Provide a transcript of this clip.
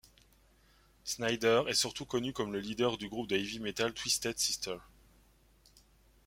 Snider est surtout connu comme le leader du groupe de heavy metal Twisted Sister.